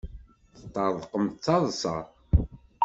Teṭṭerḍqem d taḍsa.